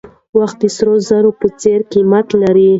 وخت د سرو زرو په څېر قیمت لري.